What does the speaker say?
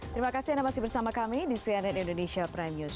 terima kasih anda masih bersama kami di cnn indonesia prime news